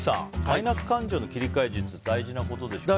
マイナス感情の切り替え術大事なことですよね。